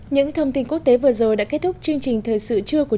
những thông tin quốc tế vừa rồi đã kết thúc chương trình thời sự trưa của